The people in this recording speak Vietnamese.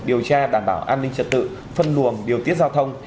điều tra đảm bảo an ninh trật tự phân luồng điều tiết giao thông